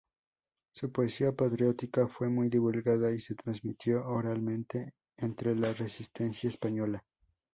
Su poesía patriótica fue muy divulgada y se transmitió oralmente entre la resistencia española.